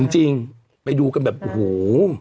จริงไปดูกันแบบหู